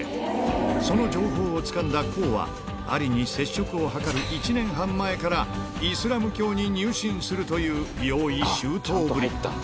その情報をつかんだ康は、アリに接触を図る１年半前から、イスラム教に入信するという、用意周到ぶり。